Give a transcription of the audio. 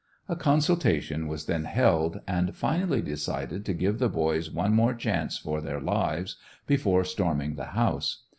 A consultation was then held, and finally decided to give the boys one more chance for their lives, before storming the house.